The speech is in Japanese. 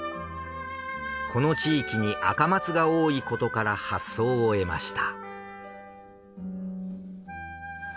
この地域に赤松が多いことから発想を得ました。